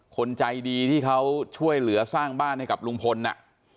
คนใจดีที่เขาช่วยเหลือสร้างบ้านให้กับลุงพลน่ะ